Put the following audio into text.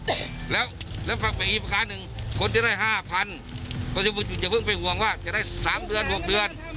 ก็จะพึ่งไปห่วงว่าจะได้๓เดือน๖เดือน